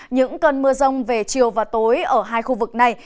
những cơn mưa rông về chiều và tối ở hai khu vực này